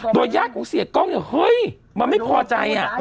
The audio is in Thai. โดยญาติของเสียกล้องเนี่ยเฮ้ยมันไม่พอใจ